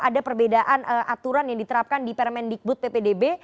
ada perbedaan aturan yang diterapkan di permendikbud ppdb